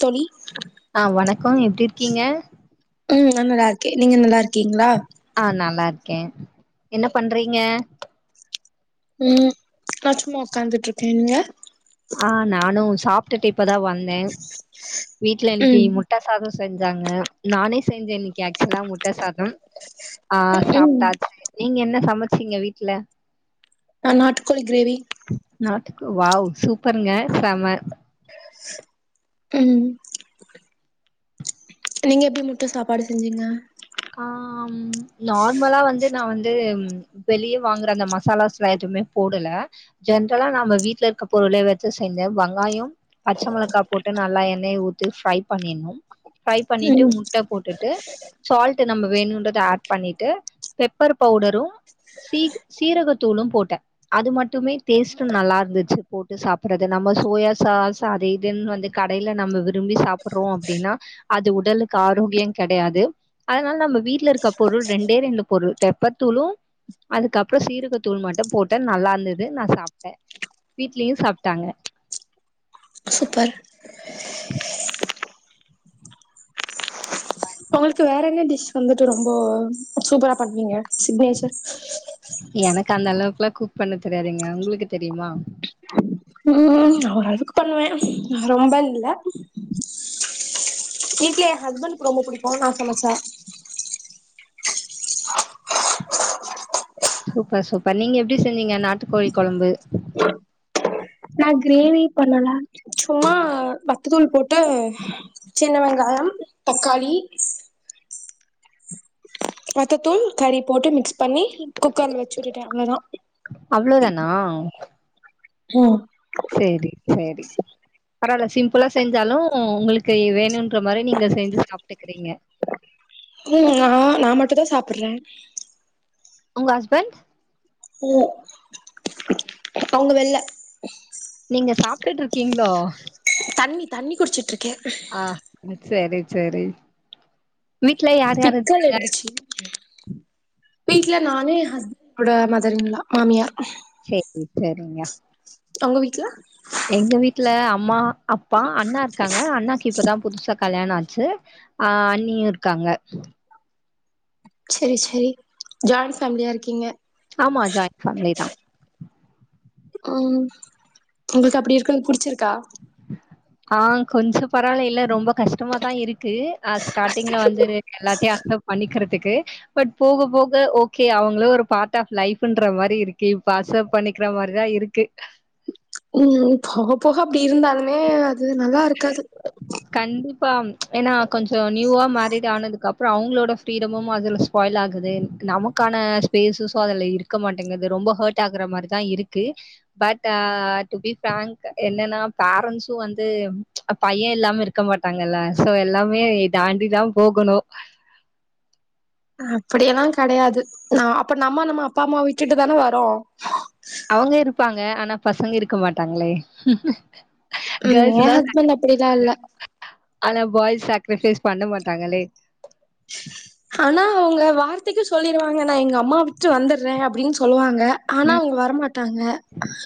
தோழி ஆ வணக்கோ எப்டி இருக்கீங்க ம் நா நல்லா இருக்கே நீங்க நல்லா இருக் கீங்ளா ஆ நல்லாருக்கேன் என்ன பண்றீங்க ம் நா சும்மா உக்காந்துட்ருக்கே நீங்க ஆ நானு சாப்ட்டுட்டு இப்பதா வந்தே வீட்ல இன்னைக்கி ம் முட் முட்ட சாதோ செஞ்சாங்க நானே செஞ்சே இன்னிக் இங்க ஆக்சுவலா முட்ட சாதம் ஆ ம் சாப்ட்டாச்சு நீங்க என்ன சமச்சீங்க வீட்டுல அ நாட்டுக்கோழி கிரேவி நாட்டுக்கு வா சூப்பருங்க செம ம் நீங்க எப்டி முட்ட சாப்பாடு செஞ்சீங்க ஆம் நார்மலா வந்து நா வந்து வெளியே வாங்கற அந்த மசாலாஸ்லா எதுமே போடல ஜென்ரலா நம்ம வீட்டுல இருக்க பொருள வச்சே செஞ்சோ வெங்காயோ பச்ச மொளகா போட்டு நல்லா எண்ணெய் ஊத்தி ஃப்ரை பண்ணிட்ணு ஃப்ரை பண்ணிட்டு ம் முட்ட போட்டுட்டு சால்ட் நம்ம வேணுன்றத ஆட் பண்ணிட்டு பெப்பர் பவுடரும் சீ சீரக தூளும் போட்டேன் அது மட்டுமே டேஸ்ட் நல்லா இருந்துச்சு போட்டு சாப்றது நம்ப சோயா சாஸ் அது இதுன்னு வந்து கடைல நம்ம விரும்பி சாப்பர்றோ அப்டினா அது உடலுக்கு ஆரோக்யங் கெடையாது அதனால நம்ம வீட்ல இருக்க பொருள் ரெண்டே ரெண்டு பொருள் தெப்பத்தூளும் அதுக்கப்றம் சீரகத்தூள் மட்டும் போட்டேன் நல்லா இருந்தது நான் சாப்டன் வீட்லயே சாப்டாங்க சூப்பர் [inaudible] உங்ளுக்கு வேற என்ன டிஷ் வந்துட்டு ரொம்ப சூப்பரா பண்ணுவீங்க சிங்னேச்சர் எனக்கு அந்தளவுக்லா குக் பண்ண தெரியாதுங்க உங்ளுக்கு தெரியுமா ம் நா ஓரளவுக்கு பண்ணுவே ரொம்ப இல்ல வீட்ல ஏன் ஹஸ்பண்க்கு ரொம்ப புடிக்கும் நான் சமச்சா சூப்பர் சூப்பர் நீங்க எப்டி செஞ்சீங்க நாட்டுக்கோழி கொழம்பு நான் கிரேவி பண்ணலாம் சும்மா பத்ததூள் போட்டு சின்ன வெங்காயம் தக்காளி பெத்தத்தூள் கறி போட்டு மிக்ஸ் பண்ணி குக்கர்ல வெச்சு விட்டுடேன் அவ்ளோதான் ஆ ம் சேரி சேரி பராவால்ல சிம்புளா செஞ்சாலும் உங்ளுக்கு வேணுன்ற மாரி நீங்க செஞ்சு சாப்ட்டுக்கிறீங்க ம் நான் நான் மட்டும் தான் சாப்புறன் உங்க ஹஸ்பண்ட் ம் அவுங்க வெள்ள நீங்க சாப்டிட்டு இருக்கீங்ளோ தண்ணி தண்ணி குடிச்சிட்ருக்கே ஆ சேரி சேரி வீட்ல யார் யார் பிக்கல் இருக்காங்க [unintelligible] வீட்ல நானு என் ஹஸ்பண்கூட மதர் ன் ளா மாமியார் சேரி சேரிங்க உங்க வீட்ல எங்க வீட்ல அம்மா அப்பா அண்ணா இருக்காங்க அண்ணாக்கு இப்பதான் புதுசா கல்யாணம் ஆச்சு ஆ அன்னியும் இருக்காங்க சேரி சேரி ஜாயிண்ட் ஃபேம்லியா இருக்கீங்க ஆமா ஜாயின் ஃபேமிலி தான் ம் உங்ளுக்கு அப்டி இருக்கறது புடிச்சிருக்கா ஆ கொஞ்ஜோம் பரவாயில்ல இல்ல ரொம்போ கஷ்டமா தான் இருக்கு அ ஸ்டாட்டிங்ல வந்து எல்லாத்தையும் அக்சப்ட் பண்ணிக்கிறதுக்கு பட் போக போக ஓகே அவுங்ளே ஒரு பார்ட் ஆஃப் லைப்ன்ற மாரி இருக்கு பாசப் பண்ணிக்கிற மாரிதான் இருக்கு ம் போக போக அப்டி இருந்தாலுமே அது நல்லாருக்காது கண்டிப்பா ஏன்னா கொஞ்ஜோம் நியூவா மேறிட் ஆனதுக்கப்றம் அப்றோம் அவுங்களோட ஃப்ரீடமும் அதுல ஸ்பாயில் ஆகுது நமக்கான ஸ்பேஸ்ஸஸ்ஸும் அதுல இருக்கு இருக்க மாட்டேங்குது ரொம்ப ஹர்ட் ஆகுற மாரிதான் இருக்கு but uh to be frank என்னன்னா பேரண்ட்ஸும் வந்து பையன் இல்லாம இருக்க மாட்டாங்கல்ல சோ எல்லாமே தாண்டிதான் போகணோம் அப்படியெல்லாம் கெடையாது நா அப்போ நம்ம நம்ம அப்பா அம்மாவ விட்டுட்டு தான வரோம் அவங்க இருப்பாங்க ஆனா பசங்க இருக்க மாட்டாங்களே உம் கேர்ள்ஸ் என் தான் ஹஸ்பண்ட் அப்படிலா இல்ல ஆனா பாய்ஸ் சாக்ரிஃபைஸ் பண்ண மாட்டாங்களே ஆனா அவங்க வார்த்தைக்கு சொல்லிருவாங்க நான் எங்க அம்மா விட்டு வந்துற அப்டின் சொல்லுவாங்க ஏ ஆனா ம். அவங்க வர மாட்டாங்க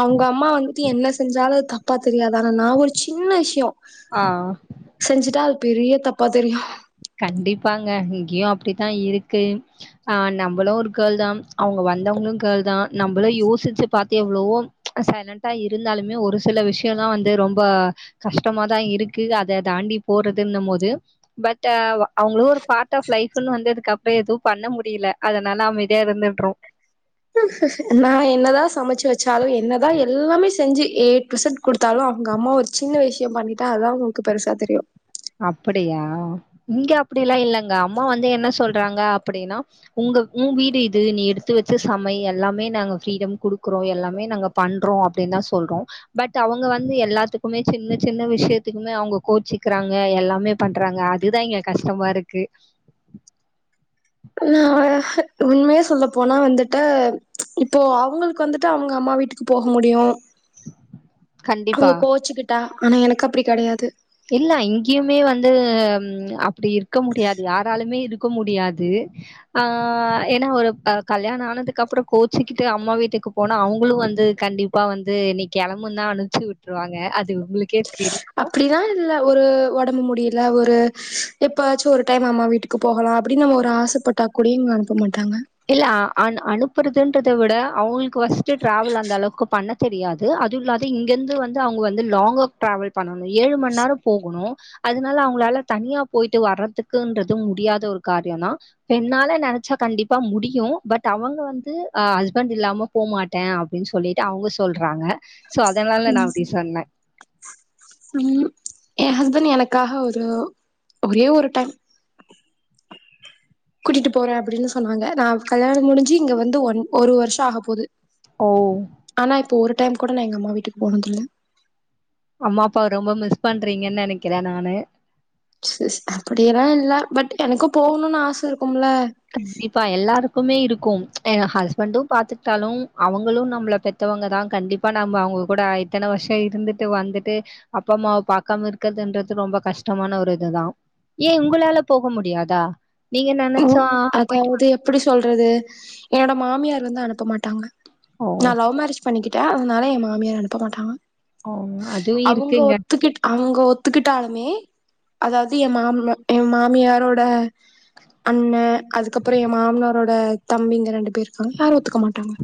அவங்க அம்மா வந்துட்டு என்ன செஞ்சாலு அது த தப்பா தெரியாது ஆனா நான் ஒரு சின்ன விஷய ஆ செஞ்சிட்டா அது பெரிய தப்பா தெரியு கண்டிப்பாக இங்கேயும் அப்டித்தா இருக்கு ஆ நம்மளும் ஒரு கேர்ள் தான் அவங்க வந்தவங்களும் கேர்ள் தான் நம்மளும் யோசிச்சு பாத்து எவ்ளவோ சைலண்டா இருந்தாலுமே ஒரு சில விஷயலாம் வந்து ரொம்ப கஷ்டமாதான் இருக்கு அத தாண்டி போறதுன்னு போது ட அவங்களும் ஒரு பார்ட் ஆஃப் லைஃப்ன்னு வந்தது அப்பறம் ஏதும் பண்ண முடியல அதனால அமைதியா இருந்துடுறோம் நான் என்னதான் சமைச்சு வச்சாலும் என்னதான் எல்லாமே செஞ்சு ஏ டூ இசட் கொடுத்தாலும் அவங்க அம்மா ஒரு சின்ன விஷயம் பண்ணிட்டா அதான் அவங்களுக்கு பெருசா தெரியும் அப்படியா இங்க அப்டிலா இல்லங்க அம்மா வந்து என்ன சொல்றாங்க அப்படின்னா உங்க உ வீடு இது நீ எடுத்து வச்சு சமை எல்லாமே நாங்க ஃப்ரீடம் கொடுக்கிறோம் எல்லாமே நாங்க பண்றோ அப்டின் தான் சொல்றோ பட் அவங்க வந்து எல்லாத்துக்குமே சின்ன சின்ன விஷயத்துக்குமே அவங்க கோச்சிக்கிறாங் ஏ எல்லாமே பண்றாங்க அதுதான் இங்க கஷ்டமா இருக்கு உண்மையா சொல்லப்போனா வந்துட்டு இப்ப அவங்களுக்கு வந்துட்டு அவங்க அம்மா வீட் சு போக முடியும் அவங்க கண்டிப்பா கோச்சிக்கிட்டா ஆனா எனக்கு அப்டி கெடையாது இல்ல இங்கயுமே வந்து அப்டி இருக்க முடியாது யாராலுமே இருக் முடியாது ஆ ஏன்னா ஒரு கல்யாண ஆனதுக் அப்பறம் கோச்சிக்கிட்டு அம்மா வீட்டுக்கு போனா அவங்களு வந்து கண்டிப் அப்பா வந்து நீ கெளம்புனா அனுப்பிச்சு விட்ருவாங்க அது உங்களுக்கே தெரி அப்டிதா இல்ல ஒரு உடம்பு முடியல ஒரு எப்பவாச்சு ஒரு டைம் அம்மா வீட்டுக்கு போகலாம் அப்டின் ஒரு ஆசப்பட்டா குடிங் அனுப்ப மாட்டாங்க இல்ல அனுப்புறதுனு விட அவங்களுக்கு ஃபர்ஸ்ட் டிராவல் அந்த அளவுக்கு பண்ண தெரியாது அதுவும் இல்லாது இங்கந்து வந்து அவங்க வந்து லாங்கர் டிராவல் பண்ணனு ஏழு மண்நேரம் போகணும் அதனால அவங்களால தனியா போயிட்டு வரதுக்குன்றது முடியாத ஒரு காரியம் தான் என்னால நெனச்சா கண்டிப்பா பா முடியு பட் அவங்க வந்து ஆ ஹஸ்பண்ட் இல்லாம போ மாட்டேன் அப்படின் சொல்லிட்டு அவங்க சொல்றாங்க சோ அதனால நான் அப்டி சொன்ன உம் என் ஹஸ்பண்ட் எனக்காக ஒரு ஒரே ஒரு டைம் கூட்டிட்டு போறேன் அப்படின் சொன்னாங்க நான் கல்யாணம் முடிஞ்சு இங்க வந்து ஒன் ஒரு வருஷம் ஆகப்போது ஓ ஆனா இப்போ ஒரு டைம் கூட நான் எங்க அம்மா வீட்டுக்கு போனது இல்ல அம்மா அப்பாவ ரொம்ப மிஸ் பண்றீங்கன்னு நெனைக்கிறேன் நானு அப்படியெல்லாம் இல்ல பட் எனக்கும் போகணுன் ஆச இருக்கும்ல கண்டிப்பா எல்லாருக்குமே இருக்கும் ஆ ஹஸ்பண்டும் பாத்துக்கிட்டாலும் அவங்களும் நம்பள பெத் துவங்கராங் கண்டிப்பா நம்ம அவங்க கூட இத்தன வருஷம் இருந்துட்டு வந்துட்டு அப்பா அம்மாவ பாக்காமருக்கிறதுன்றது ரொம்ப கஷ்டமான ஒரு இதுதான் ஏ உங்களால போக முடியாதா நீங்க நென அதாவது எப்டி சொல்றது என்னோட மாமியார் வந்து அனுப்ப மாட்டாங்க ஓ! நான் லவ் மேரேஜ் பண்ணிக்கிட்டா அதனால என் மாமியார் அனுப்ப மாட்டாங்க ஓ! அதுவும் அவங்க இருக்குங்க. ஒத்துக்கிட் அவங்க ஒத்துக்கிட்டாலுமே அதாவது எ மாம்ம எ மாமியாரோட அண்ண அதுக்கப்புறோம் எ மாமனாரோட தம்பிங்க ரெண்டு பேரும் இருக்காங்க யாரும் ஒத்துக்க மாட்டாங்க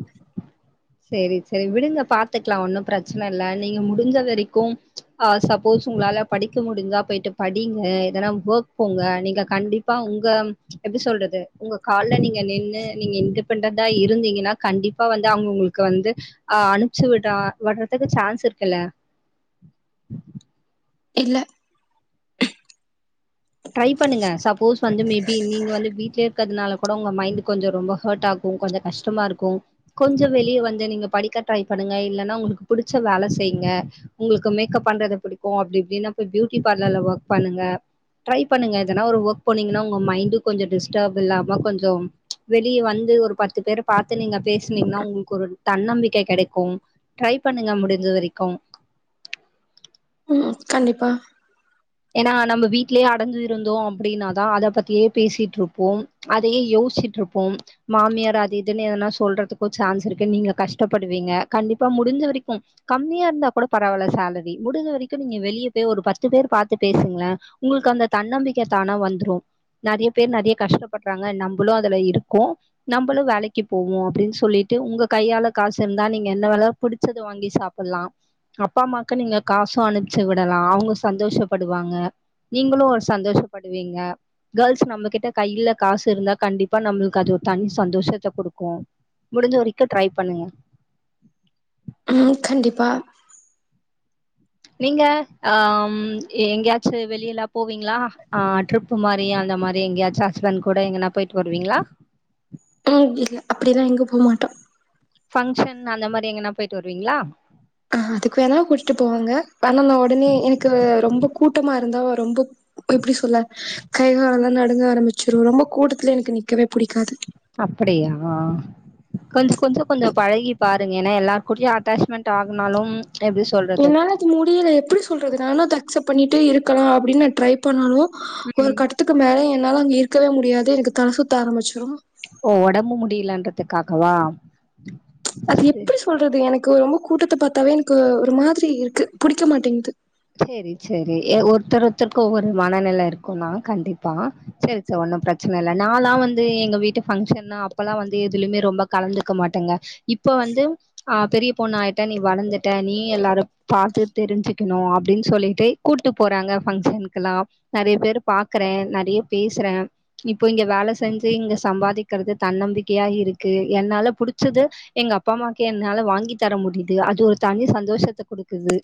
செரி செரி விடுங்க பாத்துக்கலாம் ஒன்னும் பெரச்சன இல்ல நீங்க முடிஞ்ச வெரைக்கு ஆ சப்போஸ் உங்களால படிக்க முடிஞ்சா போயிட்டு படிங்க எதனா ஒர்க் போங்க நீங்க கண்டிப் பா உங்க எப்டி சொல்றது உங்க கால்ல நீங்க நின்னு நீங்க இண்டிபென்டெட்டா இருந்தீங்கன்னா கண்டிப்பா வந்து அவுங்க உங்களுக் கு வந்து ஆ அனுப்பிச்சு விடா விட்றதுக்கு சான்ஸ் இருக்குல்ல இல்ல ட்ரை பண்ணுங்க சப்போஸ் வந்து மே பி நீங்க வந்து வீட்லயே இருக்றதுனால கூட உங்க மைண்ட் கொஞ்சோ ரொம்ப ஹர்ட் ஆகு ம் கொஞ்ஜோ கஷ்டமாருக்கும் கொஞ்சோ வெளியே வந்து நீங்க படிக்க ட்ரை பண்ணுங்க இல்லன்னா உங்களுக்கு புடிச்ச வேல செய்ங்க உங்களுக்கு மேக்கப் பண்றத புடிக்கு அப்டி இப்டின்னா போய் பியூட்டி பார்லர்ல ஒர்க் பண்ணுங்க ட்ரை பண்ணுங்க எதனா ஒரு ஒர்க் போனீங்கனா ஒங்க மைண்டுக் கொஞ்சோ டிஸ்டர்பு இல்லாம கொஞ்சோ வெளியே வந்து ஒரு பத்து பேர பாத்து நீங்க பேசுனீங்கனா ஒங்ளுக் ஒரு தன்னம்பிக்க கெடைக்கு ட்ரை பண்ணுங்க முடிஞ்ச வரைக்கு ம் கண்டிப்பா ஏன்னா நம்ம வீட்லேயே அடஞ்சிருந்தோ அப்டின்னாதா அத பத்தியே பேசிட்டுருப்போ அதையே யோஸ்சிட்டிருப்போ மாமியார் அது இதுன்னு எதனா சொல்றதுக்கு சான்ஸ் இருக்கு நீங்க கஷ்டப்படுவீங்க கண்டிப்பா முடிஞ்ச வரைக்கும் கம்மியா இருந்தா கூட பரவால சாலரி முடிஞ்ச வரைக்கு நீங்க வெளியே போய் ஒரு பத்து பேரு பாத் து பேசுங்களே ஒங்ளுக்கு அந்த தன்னம்பிக்க தானா வந்துரு நெறைய பேர் நெறைய கஷ்டப்படுறாங்க நம்பளு அதுல இருக்கோ நம்பளு வேலைக்கு போவோ அப்டின்னு சொல்லிட்டு ஒங்க கையால காசு இருந்தா நீங்க என்ன வேல புடிச்சத வாங்கி சாப் ப்படலா அப்பா அம்மாக்கு நீங்க காசும் அனுப்ச்சு விடலா அவங்க சந்தோஷப்படுவாங்க நீங்களு ஒரு சந்தோஷப்படுவீங்க கேர்ள்ஸ் நம்ம கிட்ட கையில காசு இருந்தா கண்டிப்பா நம்மளுக்கு அது தனி சந்தோஷத்த குடுக்கு முடிஞ்ச வரைக்கு ட்ரை பண்ணுங்க ம் கண்டிப்பா நீங்க ஆம் எங்கேயாச்சு வெளியெல்லா போவீங்களா ஆ ட்ரிப் குமாரி அந்த மாரி எங்கயாச்ச ஹஸ்பண்ட் கூட எங்கனா போயிட்டு வருவீங்களா போறதில்ல அப்படிலா எங்க போ மாட்டா ஃபங்ஷன் அந்த மாதிரி எங்கனா போயிட்டு வருவீங்களா ஆ அதுக்கு வேணா கூட்டிட்டு போவங்க ஆனா நா ஒடனே எனக்கு ரொம்ப கூட்டமா இருந்தா ரொம்ப எப்டி சொல்ல கை கால்லா நடுங்க ஆரம்பிச்சிரு ரொம்ப கூட்டத்துல எனக்கு நிக்கவே புடிக்காது அப்படியா கொஞ்சோ கொஞ்சோ கொஞ்சோ பழகி பாருங்க ஏன்னா எல்லார்க் கூடயு அட்டாச்மெண்ட் ஆகுனாலு எப்டி சொல்றது முடியில எப்டி சொல்றது நானு அத அக்சப்ட் பண்ணிட்டு இருக்கலா அப்டின்னு நா ட்ரை பண்ணாலு ஒரு ம் கட்ட த்துக்கு மேல என்னால அங்க இருக்கவே முடியாது எனக்கு தல சுத்த ஆரம்பிச்சிரு ஓ ஒடம்பு முடியலன்றதுக்காகவா அது சரி எப்டி சொல்றது எனக்கு ரொம்ப கூட்டத்த பாத்தாவே எனக்கு ஒரு மாதிரி இருக்கு புடிக்க மாட்டேங்குது செரி செரி எ ஒருத்தர் ஒருத்தருக்கு ஒவ்வொரு மனநில இருக்கும்னா கண்டிப்பா செரி ச ஒன்னு பெரச்சன இல்ல நா லா வந்து எங்க வீட்டு ஃபங்க்ஷன்னா அப்போல்லா வந்து எதுலயுமே ரொம்ப கலந்துக்க மாட்டேங்க இப்போ வந்து ஆ பெரிய பொண்ணு ஆயிட்ட நீ வளர்ந்துட்ட நீ எல்லாரு பாத்து தெரிஞ்சுக்கணு அப் அப்டின்னு சொல்லிட்டு கூப்ட்டு போறாங்க ஃபங்க்ஷனுக்கெல்லா நெறைய பேரு பாக்குறே நெறைய பேசுறே இப்போ இங்க வேல செஞ்சு இங்க சம்பாதிக்கிறது தன்னம்பிக்கையா இருக்கு என்னால புடிச்சது எங்க அப்பா அம்மாவுக்கு என்னால வாங்கி தர முடியுது அது ஒரு தனி சந்தோஷத்த குடுக்குது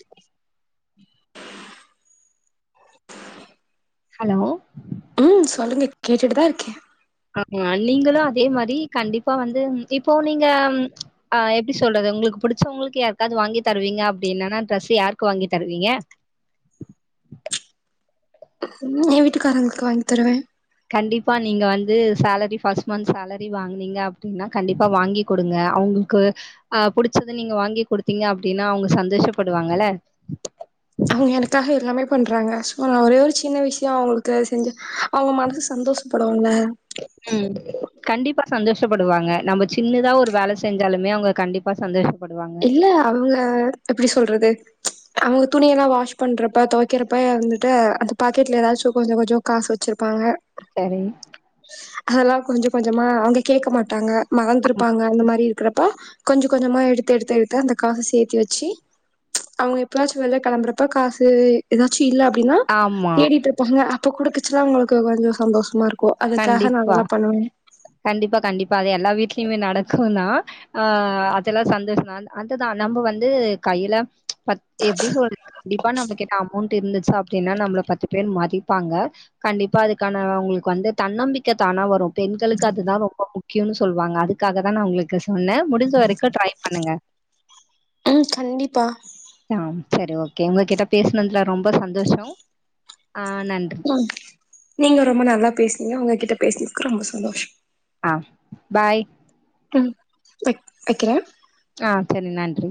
ஹலோ ம் சொல்லுங்க கேட்டுட்டு தா இருக்கே ஆமா நீங்களு அதே மாரி கண்டிப்பா வந்து இப்போ நீங்க ஆ எப்டி சொல்றது உங்களுக்கு புடிச்சவங்களுக்கு யாருக்கது வாங்கி தருவீங்க அப்டின்னனா டிரஸ்ஸு யாருக்கு வாங்கி தருவீங்க எஏ வீட்டுக்காரங்களுக்கு வாங்கி தருவே கண்டிப்பா நீங்க வந்து சேலரி ஃபர்ஸ்ட் மந்த்சேலரி வாங்கனீங்க அப்படின்னா கண்டிப்பா வாங்கி கொடுங்க அவுங்களுக்கு அ புடிச்சத நீங்க வாங்கி குடுத்தீங்க அப்டின்னா அவுங்க சந்தோஷப்படுவாங்கல்ல அவுங்க எனக்காக எல்லாமே பண்றாங்க சோ நா ஒரே ஒரு சின்ன விஷ்யோ அவுங்களுக்கு செஞ்சு அவங்க மனசு சந்தோஷப்படுவாங்க ம் கண்டிப்பா சந்தோஷப்படுவாங்க நம்ம சின்னதா ஒரு வேல செஞ்சாலுமே அவங்க கண்டிப்பா சந்தோஷப்படுவாங்க இல்ல அவுங்க எப்டி சொல்றது அவங்க துணியெல்லா வாஷ் பண்றப்ப தொவைக்கிறப்ப வந்துட்டு அந்த பாக்கெட்ல ஏதாச்சு கொஞ்சோ கொஞ்சோ காசு வச்சிருப்பாங்க சரிங் அதெல்லா கொஞ்ச கொஞ்சமா அவுங்க கேட்க மாட்டாங்க மறந்திருப்பாங்க அந்த மாரி இருக்கிறப்ப கொஞ்சம் கொஞ்சமா எடுத் எடுத்து எடுத்து எடுத்து அந்த காசு சேத்தி வச்சு அவுங்க எப்பாச்சு வெள்ல களம்புறப்ப காசு ஏதாச்சும் இல்ல அப்படின்னா ஆமா தேடிட்ருப்பாங்க அப்ப குடுக்கச்சல்லா உங்களுக்கு கொஞ்ச சந்தோஷமா இருக்கு ஓ அதுக்காக நா கண்டிப்பா அதெல்லா பண்ணுவே கண்டிப்பா கண்டிப்பா அது எல்லா வீட்லயுமே நடக்கு நா ஆ அதெல்லா சந்தோஷ தா அதுதா நம்ம வந்து கையில பத் எப்படி சொல்றது கண்டிப்பா நம்ம என்ன அமௌண்டட் இருந்துச்சு அப்படின்னா நம்மள பத்து பேர் மதிப்பாங்க கண்டிப்பா அதுக்கான அவுங்களுக்கு வந்து தன்னம்பிக்க தானா வரு பெண்கள் க்கதுதா ரொம்ப முக்கியம்ன்னனு சொல்லுவாங்க அதுக்காக தா நா உங்களுக்கு சொன்னே முடிந்த வரைக்கு ட்ரை பண்ணுங்க ம் கண்டிப்பா ஆ சரி ஓகே உங்ககிட்ட பேசனதுல ரொம்ப சந்தோஷோ ஆ நன்றி ம் நீங்க ரொம்ப நல்லா பேசனீங்க உங்ககிட்ட பேசினதுக்கு ரொம்ப சந்தோஷ ஆ பாய் ம் வைக் வைக்கிறே ஆ செரி நன்றி